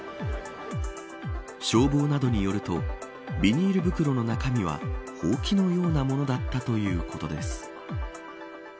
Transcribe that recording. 消防などによるとビニール袋の中身はほうきのようなものだったということです。